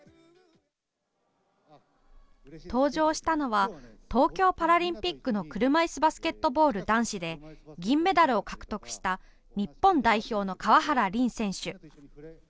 登場したのは東京パラリンピックの車いすバスケットボール男子で銀メダルを獲得した日本代表の川原凜選手。